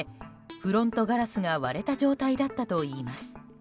フロントガラスが割れた状態だったといいます。